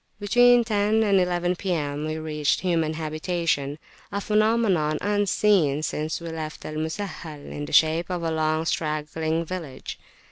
Between 10 and 11 P.M., we reached human habitations a phenomenon unseen since we left Al Musahhal in the shape of a long straggling village.